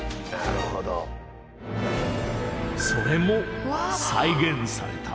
それも再現された。